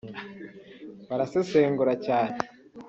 barasesengura cyane